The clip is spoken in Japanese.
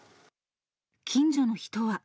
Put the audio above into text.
近所の人は。